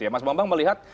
mas bambang melihat